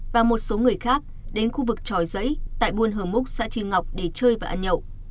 và một số người khác đến khu vực tròi giấy tại buôn hờ múc xã triên ngọc để chơi và ăn nhậu